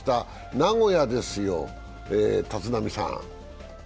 名古屋ですよ、立浪さん。